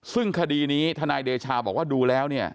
ซึ่งคดีนี้ทนายเดชาบอกว่าดูแล้วเนี่ย